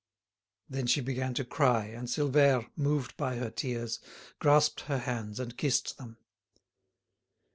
Then she began to cry, and Silvère, moved by her tears, grasped her hands and kissed them.